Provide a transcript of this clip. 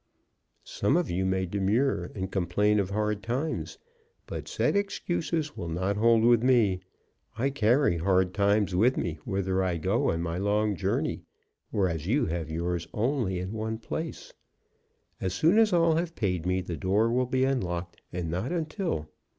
Some of you may demur, and complain of hard times, but said excuses will not hold with me; I carry hard times with me whither I go on my long journey, whereas you have yours only in one place. As soon as all have paid me, the door will be unlocked, and not until.